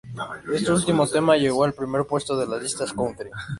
Este último tema llegó al primer puesto de las listas "country".